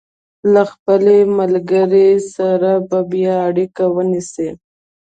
له خپلې ملګرې سره به بیا اړیکه ونیسي.